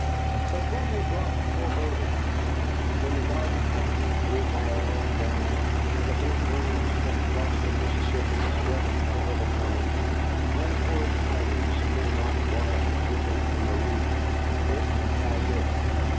But winter brought forebodings. When the garden patches grew bare and brown, and the bleak winds from across the Mississippi swept over the common, untoward tidings came like water dripping from a roof, bit by bit.